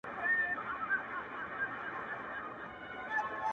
روغ دې وزرونه پانوسونو ته به څه وایو!.